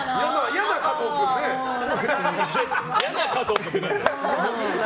嫌な加藤君って何。